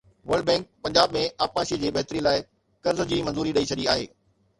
world bank Punjab ۾ آبپاشي جي بهتري لاءِ قرض جي منظوري ڏئي ڇڏي آهي